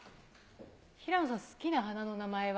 平野さん、好きな花の名前は？